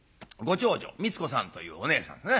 長女美津子さんというおねえさんですね。